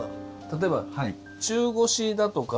例えば中腰だとか。